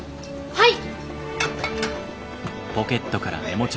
はい！